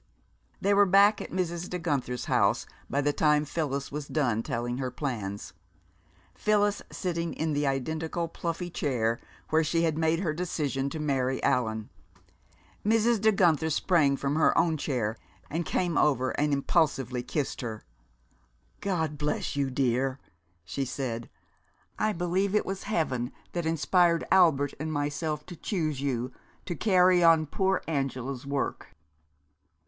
They were back at Mrs. De Guenther's house by the time Phyllis was done telling her plans, Phyllis sitting in the identical pluffy chair where she had made her decision to marry Allan. Mrs. De Guenther sprang from her own chair, and came over and impulsively kissed her. "God bless you, dear!" she said. "I believe it was Heaven that inspired Albert and myself to choose you to carry on poor Angela's work."